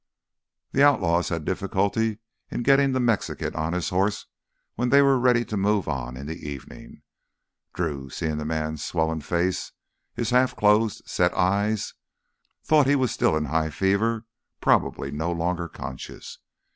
The outlaws had difficulty in getting the Mexican on his horse when they were ready to move on in the evening. Drew, seeing the man's swollen face, his half closed, set eyes, thought he was in high fever, probably no longer conscious.